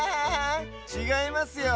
ちがいますよ。